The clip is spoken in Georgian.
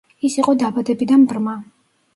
ის იყო დაბადებიდან ბრმა.